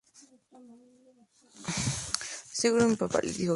La sede del condado es Fairmont.